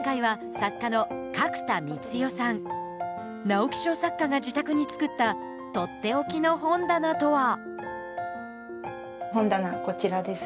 直木賞作家が自宅につくった取って置きの本棚とは？